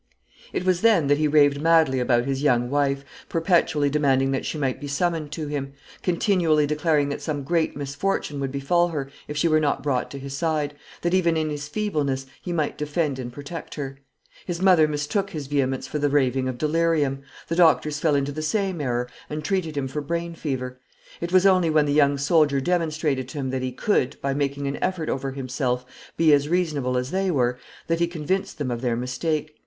It was then that he raved madly about his young wife, perpetually demanding that she might be summoned to him; continually declaring that some great misfortune would befall her if she were not brought to his side, that, even in his feebleness, he might defend and protect her. His mother mistook his vehemence for the raving of delirium. The doctors fell into the same error, and treated him for brain fever. It was only when the young soldier demonstrated to them that he could, by making an effort over himself, be as reasonable as they were, that he convinced them of their mistake.